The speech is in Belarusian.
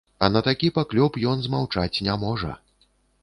А на такі паклёп ён змаўчаць не можа.